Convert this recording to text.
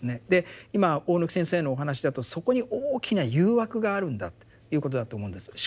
で今大貫先生のお話だとそこに大きな誘惑があるんだということだと思うんです。